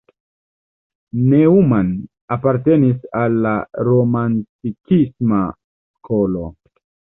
Neumann apartenis al la romantikisma skolo.